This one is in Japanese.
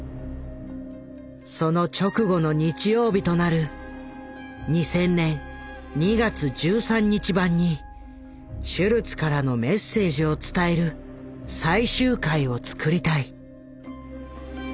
その直後の日曜日となる２０００年２月１３日版にシュルツからのメッセージを伝える最終回を作りたい。